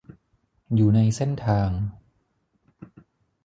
อยู่ในเส้นทาง